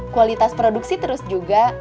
kualitas produksi terus juga